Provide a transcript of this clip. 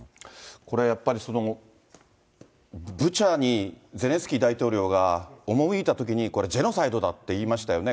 これやっぱり、ブチャにゼレンスキー大統領が赴いたときに、これ、ジェノサイドだって言いましたよね。